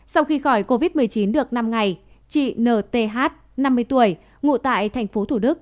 sau khi khỏi covid một mươi chín được năm ngày chị n t h năm mươi tuổi ngụ tại tp thủ đức